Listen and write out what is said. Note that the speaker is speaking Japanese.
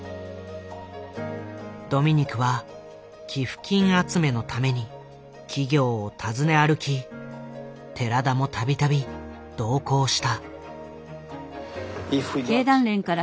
ドミニクは寄付金集めのために企業を訪ね歩き寺田も度々同行した。